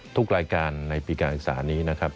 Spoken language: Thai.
ทุกรายการในปีการศึกษานี้นะครับ